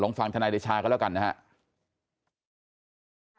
ลองฟังทนายเดชาเขาแล้วกันนะฮะ